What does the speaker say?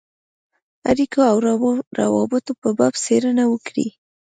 اړېکو او روابطو په باب څېړنه وکړي.